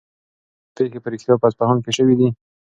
آیا دا پېښې په رښتیا په اصفهان کې شوې دي؟